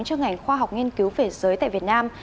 cho ngành khoa học nghiên cứu về giới tại việt nam